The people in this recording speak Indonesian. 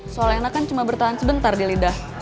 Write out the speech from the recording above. soal enak kan cuma bertahan sebentar di lidah